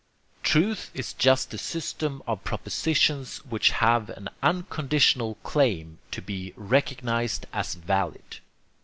"Truth is just the system of propositions which have an un conditional claim to be recognized as valid."